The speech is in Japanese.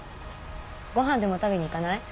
ご飯でも食べに行かない？